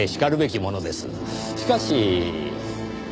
しかし。